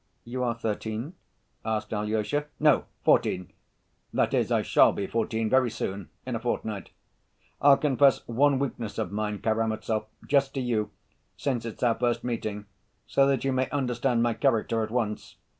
"You are thirteen?" asked Alyosha. "No, fourteen—that is, I shall be fourteen very soon, in a fortnight. I'll confess one weakness of mine, Karamazov, just to you, since it's our first meeting, so that you may understand my character at once.